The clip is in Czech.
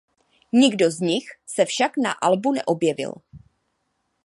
Nikdo z nich se však na albu neobjevil.